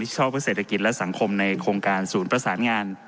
ชอบเพื่อเศรษฐกิจและสังคมในโครงการศูนย์ประสานงาน